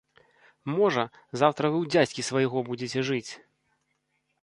Можа, заўтра вы ў дзядзькі свайго будзеце жыць!